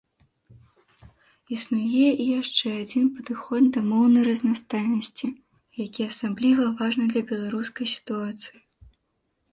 Існуе і яшчэ адзін падыход да моўнай разнастайнасці, які асабліва важны для беларускай сітуацыі.